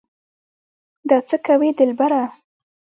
دا څه کوې دلبره